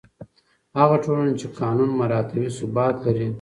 هغه ټولنه چې قانون مراعتوي، ثبات لري.